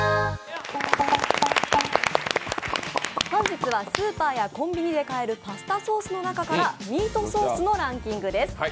本日はスーパー、コンビニで買えるパスタソースの中からミートソースのランキングです。